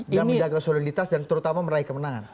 dan menjaga soliditas dan terutama meraih kemenangan